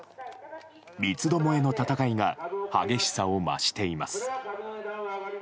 三つどもえの戦いが激しさを増しています。